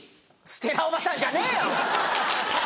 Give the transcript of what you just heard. ステラおばさんじゃねえよ！